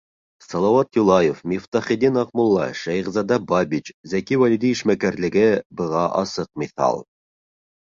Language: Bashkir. С. Юлаев, М. Аҡмулла, Ш. Бабич, З. Вәлиди эшмәкәрлеге быға асыҡ миҫал.